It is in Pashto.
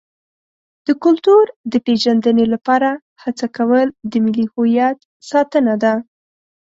د کلتور د پیژندنې لپاره هڅه کول د ملي هویت ساتنه ده.